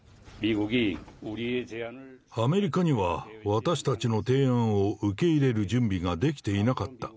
アメリカには、私たちの提案を受け入れる準備ができていなかった。